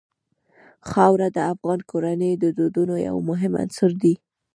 خاوره د افغان کورنیو د دودونو یو مهم عنصر دی.